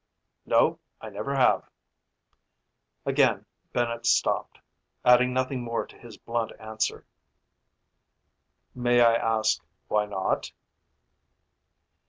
"No, I never have." Again, Bennett stopped, adding nothing more to his blunt answer. "May I ask why not?"